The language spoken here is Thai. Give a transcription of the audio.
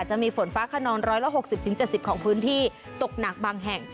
จะมีฝนฟ้าขนอง๑๖๐๗๐ของพื้นที่ตกหนักบางแห่ง